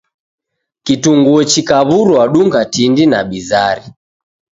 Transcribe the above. Kitunguo chikaw'urwa dunga tindi na bizari.